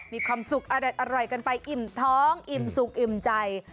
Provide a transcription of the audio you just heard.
มีความสุขอร่อยกันไปอิ่มท้องอิ่มสุขอิ่มใจ